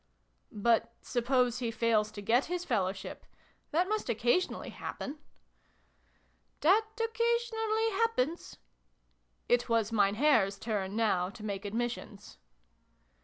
" But suppose he fails to get his Fellowship ? That must occasionally happen." " That occasionally happens." It was Mein Herr's turn, now, to make admissions.